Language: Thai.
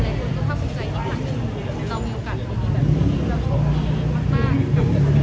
ใดคุณก็ถ้าคุณใจที่ภาคหนึ่งเรามีโอกาสดีแบบนี้แล้วช่วง